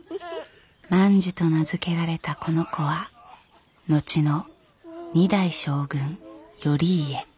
万寿と名付けられたこの子は後の二代将軍頼家。